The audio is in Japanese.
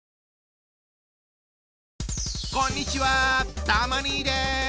こんにちはたま兄です。